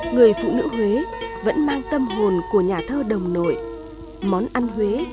người phụ nữ huế vẫn mang tâm hồn của người huế